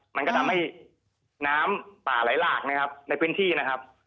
มันก็ทำให้น้ำป่าไหลหลากนะครับในพื้นที่นะครับ